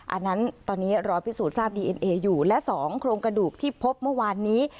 อันนั้นตอนนี้รอพิสูจนทราบดีเอ็นเออยู่และ๒โครงกระดูกที่พบเมื่อวานนี้